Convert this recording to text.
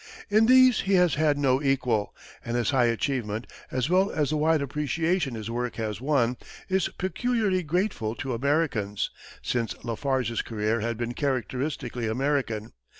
In these he has had no equal, and his high achievement, as well as the wide appreciation his work has won, is peculiarly grateful to Americans, since LaFarge's career has been characteristically American.